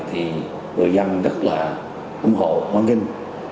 thì người dân rất là ủng hộ quan kinh